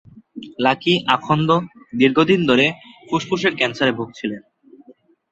Lucky Akhand দীর্ঘদিন ধরে ফুসফুস ক্যান্সারে ভুগছিলেন।